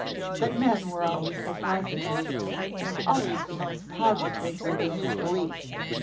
But men were always so positive; and always the most positive where they knew the least!